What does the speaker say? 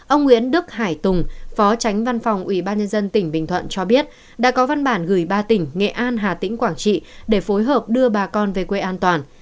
ông nguyễn đức hải tùng phó tránh văn phòng ủy ban nhân dân tỉnh bình thuận cho biết đã có văn bản gửi ba tỉnh nghệ an hà tĩnh quảng trị để phối hợp đưa bà con về quê an toàn